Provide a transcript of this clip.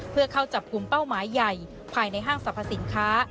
เพื่อเข้าจับกลุ่มเป้าหมายใหญ่ภายในห้างสรรพสินค้า